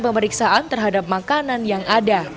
pemeriksaan terhadap makanan yang ada